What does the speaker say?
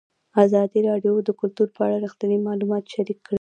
ازادي راډیو د کلتور په اړه رښتیني معلومات شریک کړي.